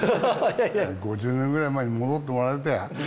５０年ぐらい前に戻ってもらいたいや。